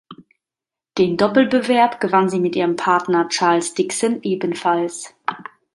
Den Doppelbewerb gewann sie mit ihrem Partner Charles Dixon ebenfalls.